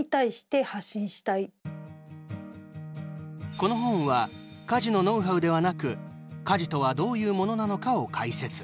この本は家事のノウハウではなく家事とはどういうものなのかを解説。